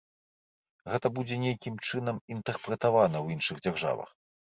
Гэта будзе нейкім чынам інтэрпрэтавана ў іншых дзяржавах.